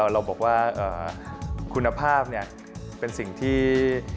เราบอกว่าคุณภาพเป็นสิ่งที่